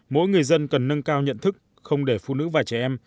mỗi người dân cần nâng cao nhận thức không để phụ nữ và trẻ em